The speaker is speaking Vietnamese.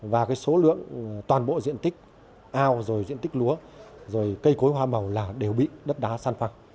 và số lượng toàn bộ diện tích ao diện tích lúa cây cối hoa màu đều bị đất đá san phẳng